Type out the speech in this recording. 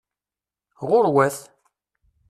Ɣuṛwat!